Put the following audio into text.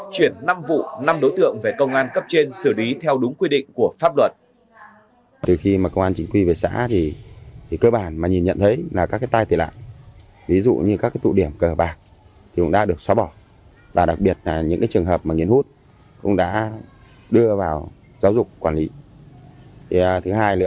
chuyển năm vụ năm đối tượng về công an cấp trên xử lý theo đúng quy định của pháp luật